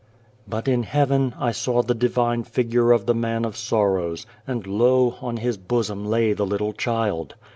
But in heaven I saw the Divine Figure of the Man of Sorrows; and lo! on His bosom lay the little child.